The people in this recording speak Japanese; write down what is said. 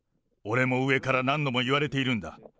俺も上から何度も言われているんだ。